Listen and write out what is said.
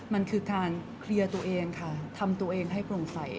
มันคือการเคลียร์ตัวเองค่ะทำตัวเองให้โปร่งใส